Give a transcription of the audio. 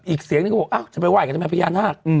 อีกเสียงนี้ก็จะไปไหว่กันไปพระยาน่าศ